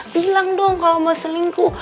bilang dong kalau mau selingkuh